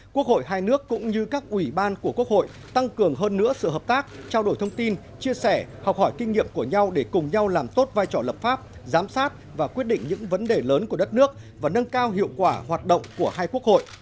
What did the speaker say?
quốc hội hai nước cũng như các ủy ban của quốc hội tăng cường hơn nữa sự hợp tác trao đổi thông tin chia sẻ học hỏi kinh nghiệm của nhau để cùng nhau làm tốt vai trò lập pháp giám sát và quyết định những vấn đề lớn của đất nước và nâng cao hiệu quả hoạt động của hai quốc hội